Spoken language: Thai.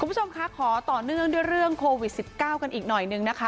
คุณผู้ชมคะขอต่อเนื่องด้วยเรื่องโควิด๑๙กันอีกหน่อยนึงนะคะ